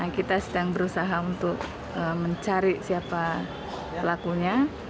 kita sedang berusaha untuk mencari siapa pelakunya